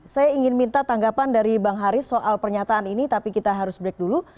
saya ingin minta tanggapan dari bang haris soal pernyataan ini tapi kita harus break dulu